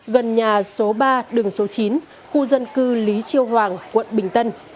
gần nhà số ba đường số chín khu dân cư lý chiêu hoàng quận bình tân